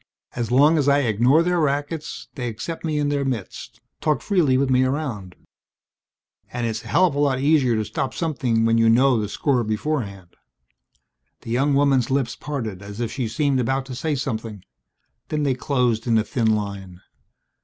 As long as I ignore their rackets they accept me in their midst, talk freely with me around. And it's a hell of a lot easier to stop something when you know the score beforehand." The young woman's lips parted as if she seemed about to say something. Then they closed in a thin line.